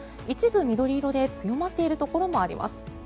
一部緑色で強まっているところもあります。